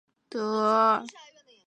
出生在康乃狄克州的费尔菲尔德。